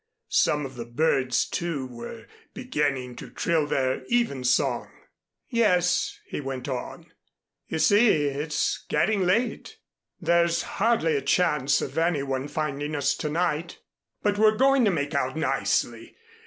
Some of the birds, too, were beginning to trill their even song. "Yes," he went on, "you see it's getting late. There's hardly a chance of any one finding us to night. But we're going to make out nicely.